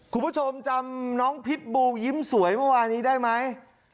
คุณผู้ชมจำน้องพิษบูยิ้มสวยเมื่อวานนี้ได้ไหม